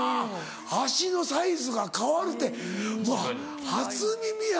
足のサイズが変わるってうわ初耳や。